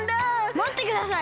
まってください。